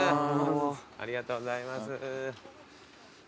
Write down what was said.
ありがとうございます。